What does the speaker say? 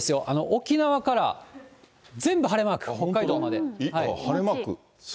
沖縄から全部晴れマーク、北海道晴れマーク。